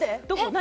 何？